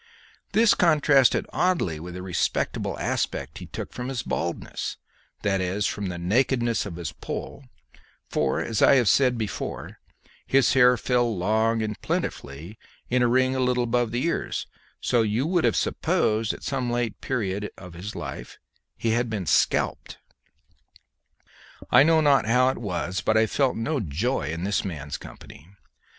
This contrasted oddly with the respectable aspect he took from his baldness that is, from the nakedness of his poll, for, as I have before said, his hair fell long and plentifully, in a ring a little above the ears, so that you would have supposed at some late period of his life he had been scalped. I know not how it was, but I felt no joy in this man's company.